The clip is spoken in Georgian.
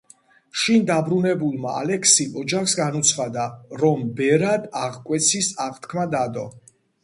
შინ დაბრუნებულმა ალექსიმ ოჯახს განუცხადა, რომ ბერად აღკვეცის აღთქმა დადო.